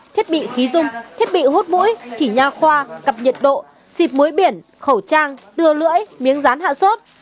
thiết bị khí dung thiết bị hút mũi chỉ nha khoa cặp nhiệt độ xịp mũi biển khẩu trang tưa lưỡi miếng rán hạ sốt